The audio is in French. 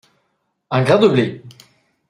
Un grain de blé!